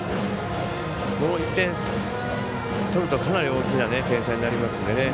もう１点、取るとかなり大きな点差になりますんで。